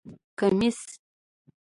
👗 کمېس